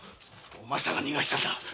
おまさが逃がしたんだ追え！